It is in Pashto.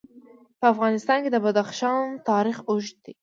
په افغانستان کې د بدخشان تاریخ اوږد دی.